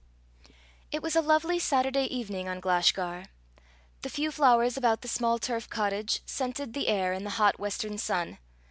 It was a lovely Saturday evening on Glashgar. The few flowers about the small turf cottage scented the air in the hot western sun.